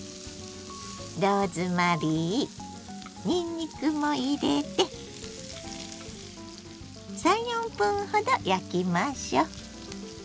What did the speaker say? ローズマリーにんにくも入れて３４分ほど焼きましょう。